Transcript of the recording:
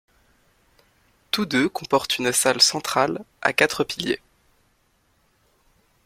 Tous deux comportent une salle centrale à quatre piliers.